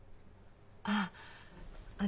ああ。